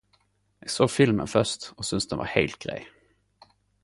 Eg såg filmen først og syns den var heilt grei.